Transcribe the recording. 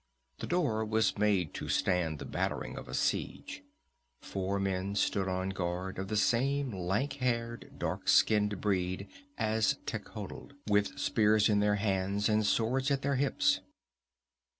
The door was made to stand the battering of a siege. Four men stood on guard, of the same lank haired, dark skinned breed as Techotl, with spears in their hands and swords at their hips.